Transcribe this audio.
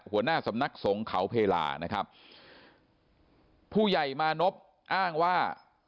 หัวหน้าสำนักสงฆ์เขาเพลานะครับผู้ใหญ่มานพอ้างว่า